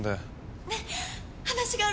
ねえ話があるの。